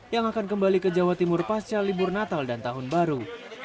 yang akan kembali ke jawa timur pasca libur natal dan tahun baru